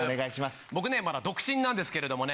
僕ねまだ独身なんですけどもね。